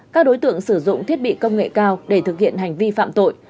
các đối tượng sử dụng thiết bị công nghệ cao để thực hiện hành vi phạm tội